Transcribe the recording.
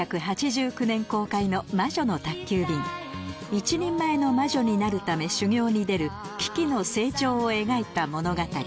一人前の魔女になるため修業に出るキキの成長を描いた物語